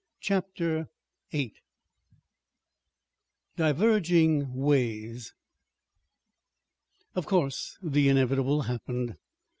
CHAPTER VIII DIVERGING WAYS Of course the inevitable happened.